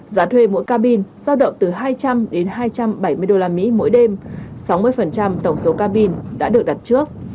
giá thuê mỗi cabin giao động từ hai trăm linh đến hai trăm bảy mươi usd mỗi đêm sáu mươi tổng số cabin đã được đặt trước